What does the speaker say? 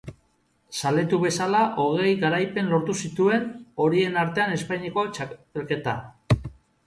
Zaletu bezala hogei garaipen lortu zituen, horien artean Espainiako txapelketa.